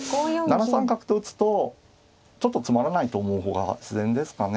７三角と打つとちょっとつまらないと思う方が自然ですかね。